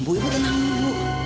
bu ibu tenang dulu